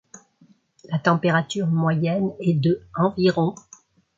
La température moyenne est de environ.